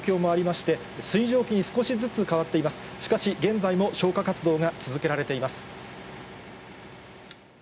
しかし、現在も消火活動が続けられています。